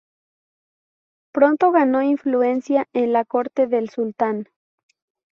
Pronto ganó influencia en la corte del Sultán.